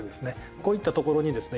こういったところにですね